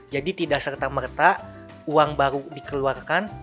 jadi tidak serta merta uang baru dikeluarkan